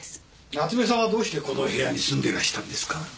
夏目さんはどうしてこの部屋に住んでらしたんですか？